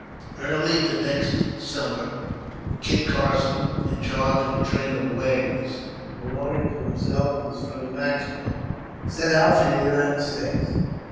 Early the next summer Kit Carson, in charge of a train of wagons belonging to himself and his friend Maxwell, set out for the United States.